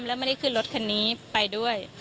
แล้วไม่ได้ขึ้นรถคันนี้ไปด้วย